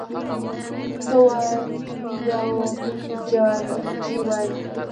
ته وا یو جارچي وايي: